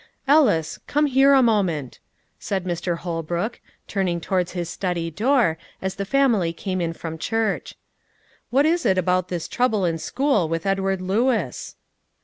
"Ellis, come here a moment," said Mr. Holbrook, turning towards his study door, as the family came in from church. "What is it about this trouble in school with Edward Lewis?"